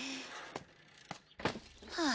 はあ。